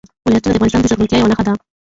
ولایتونه د افغانستان د زرغونتیا یوه نښه ده.